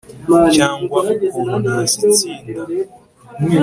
cyangwa ukuntu nazitsinda